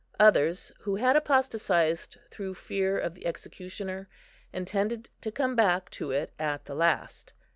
Others, who had apostatised through fear of the executioner, intended to come back to it at the last.